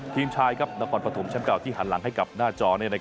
ทีมชายนครปฐมแชมป์เก่าที่หันหลังให้กับหน้าจอ